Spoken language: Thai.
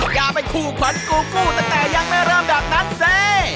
อย่าไปคู่ขวัญกูกู้แต่ยังไม่เริ่มแบบนั้นสิ